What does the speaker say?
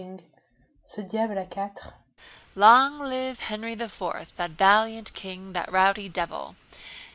"Long live Henry the Fourth, that valiant king! That rowdy devil."